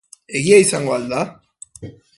Egia izango al da?